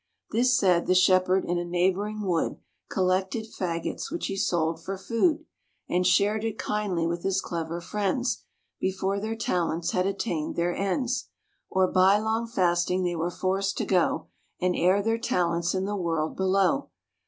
This said, the Shepherd in a neighbouring wood Collected fagots, which he sold for food, And shared it kindly with his clever friends, Before their talents had attained their ends, Or, by long fasting, they were forced to go And air their talents in the world below.